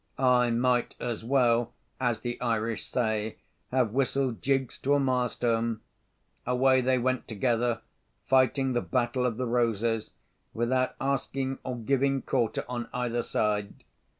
I might as well (as the Irish say) have whistled jigs to a milestone. Away they went together, fighting the battle of the roses without asking or giving quarter on either side.